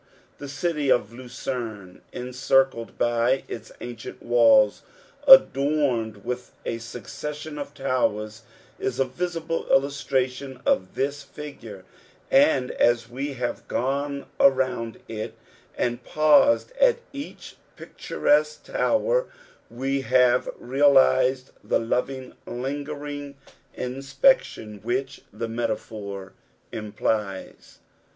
The city of Lucerne, encircled by its ancient walls, adorned with a succession of towers, is a visible illustration of this figure ; and as we have gone around it, and paused at each pictureMjue tower, we have realised the foring lingering inspection which the metaphor implies.